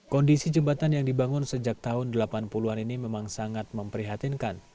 kondisi jembatan yang dibangun sejak tahun delapan puluh an ini memang sangat memprihatinkan